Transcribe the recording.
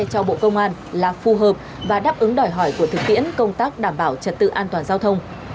cho bộ công an là phù hợp và đáp ứng đòi hỏi của thực tiễn công tác đảm bảo trật tự an toàn giao thông